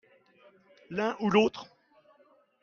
l'un ou l'autre.